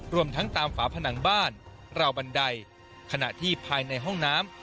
รวมทั้งตามฝาผนังบ้านราวบันไดขณะที่ภายในห้องน้ำ